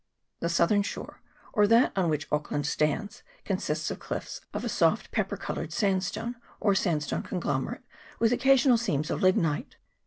The southern shore, or that on which Auckland stands, consists of cliffs of a soft pepper coloured sandstone, or sandstone conglomerate, with occa sional seams of lignite.